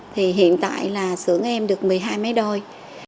thì hiện tại là sưởng em được một mươi hai máy đôi